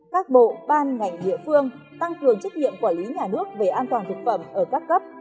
các bộ ban ngành địa phương tăng cường trách nhiệm quản lý nhà nước về an toàn thực phẩm ở các cấp